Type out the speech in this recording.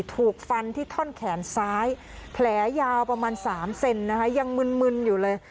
ถูกฟันที่ท่อนแขนซ้ายแผลยาวประมาณ๓เซนนะคะยังมึนอยู่เลย